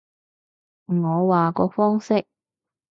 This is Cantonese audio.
我話個方式